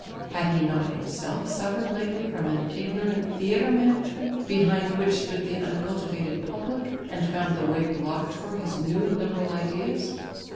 Had he not himself suffered lately from an ignorant theatre management behind which stood the uncultivated public, and found the way blocked for his new and liberal ideas.